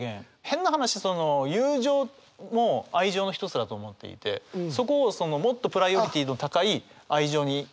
変な話友情も愛情の一つだと思っていてそこをもっとプライオリティーの高い愛情にさらわれたっていう